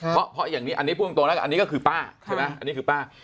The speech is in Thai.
เพราะอย่างนี้อันนี้พูดตรงแล้วอันนี้ก็คือป้าใช่ไหมอันนี้คือป้า